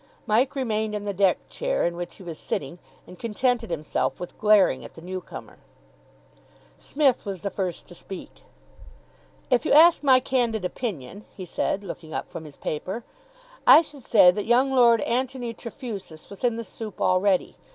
Mike remained in the deck chair in which he was sitting, and contented himself with glaring at the newcomer. Psmith was the first to speak. "If you ask my candid opinion," he said, looking up from his paper, "I should say that young Lord Antony Trefusis was in the soup already.